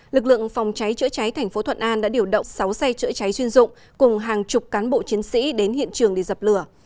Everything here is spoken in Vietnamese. lực lượng phòng cháy chữa cháy thành phố thuận an đã điều động sáu xe chữa cháy chuyên dụng cùng hàng chục cán bộ chiến sĩ đến hiện trường để dập lửa